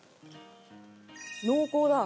濃厚だ！